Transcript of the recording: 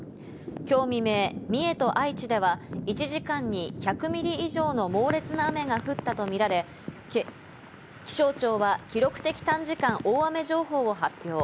今日未明、三重と愛知では１時間１００ミリ以上の猛烈な雨が降ったとみられ、気象庁は記録的短時間大雨情報を発表。